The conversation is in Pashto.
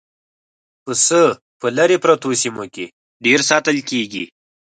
پسه په لرې پرتو سیمو کې ډېر ساتل کېږي.